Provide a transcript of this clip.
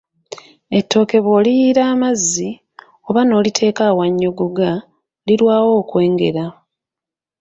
Ettooke bwoliyiira amazzi, oba n'oliteeka awannyogoga, lilwaawo okwengera.